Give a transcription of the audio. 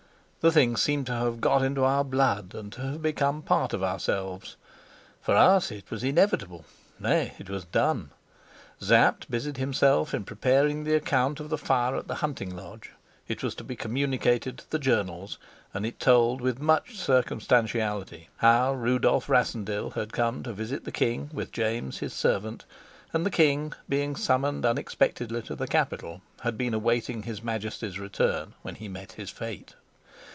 The thing seemed to have got into our blood and to have become part of ourselves. For us it was inevitable nay, it was done. Sapt busied himself in preparing the account of the fire at the hunting lodge; it was to be communicated to the journals, and it told with much circumstantiality how Rudolf Rassendyll had come to visit the king, with James his servant, and, the king being summoned unexpectedly to the capital, had been awaiting his Majesty's return when he met his fate.